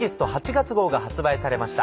月号が発売されました。